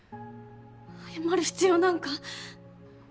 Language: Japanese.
謝る必要なんか。